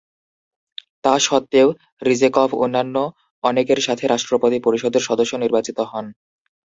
তা সত্ত্বেও, রিজেকভ অন্যান্য অনেকের সাথে রাষ্ট্রপতি পরিষদের সদস্য নির্বাচিত হন।